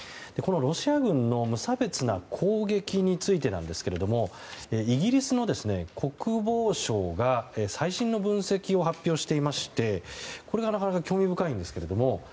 このロシア軍の無差別な攻撃についてですがイギリスの国防省が最新の分析を発表していましてこれが、なかなか興味深いんですけれども。